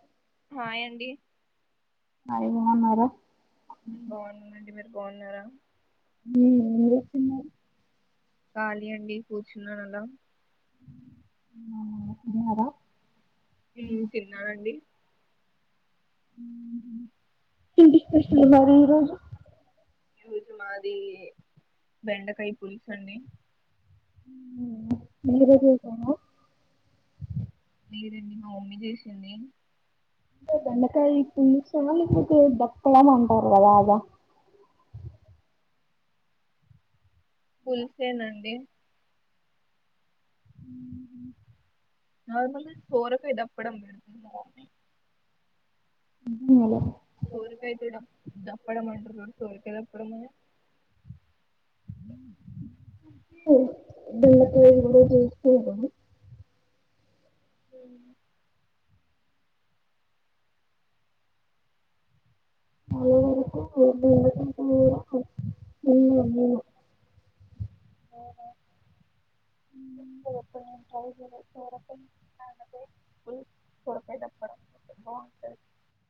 అ hi అండి hi బాగున్నారా మ్మ్ బాగున్నాను అండి మీరు బాగున్నారా మ్మ్ ఏం చేస్తున్నావ్ ఖాళీ అండి కూర్చున్నాను అలా మ్ అవునా తిన్నారా మ్మ్ తిన్నానండి మ్మ్ ఏంటి స్పెషల్ మరి ఈరోజు ఈ రోజు మాది బెండకాయి పులుసండీ మ్మ్ మీరే చేసారా లేదండి మా మమ్మీ చేసింది అదే బెండకాయి పులసా అండి కు దప్పలామంటారు కదా అదా పుల్సేనండి నార్మల్ గా సొరకాయ దప్పడం తిన్నారా [unintelligible] సోరుకై తడంద్ద దప్పడమంటతువకి ఏదా సొరకాయ దప్పడం బిళ్ళకి [inaudible] [inaudible] [inaudible] [inaudible]